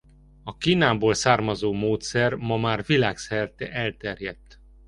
A Kínából származó módszer ma már világszerte elterjedt.